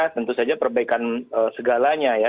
tentu saja perbaikan segalanya ya